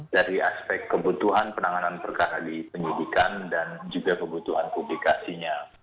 dari aspek kebutuhan penanganan perkara di penyidikan dan juga kebutuhan publikasinya